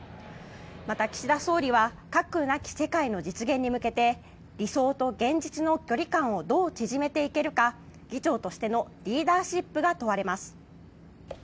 また、岸田総理は核なき世界の実現に向けて理想と現実の距離感をどう縮めていけるか議長としてのリーダーシップが問われます。